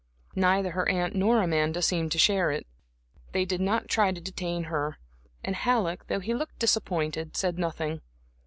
Neither her aunt nor Amanda seemed to share it. They did not try to detain her, and Halleck, though he looked disappointed, said nothing.